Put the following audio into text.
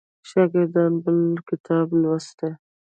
شاګرد بل کتاب لوستی.